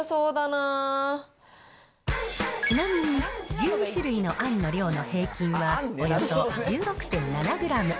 ちなみに、１２種類のあんの量の平均はおよそ１６．７グラム。